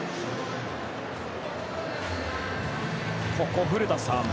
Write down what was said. ここ、古田さん